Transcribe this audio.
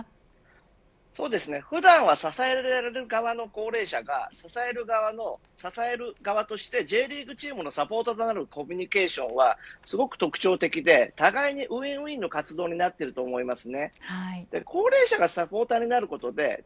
普段は支えられる側の高齢者が支える側としてＪリーグチームのサポーターのコミュニケーションはすごく特徴的で互いにウィンウィンの活動になっていると思います。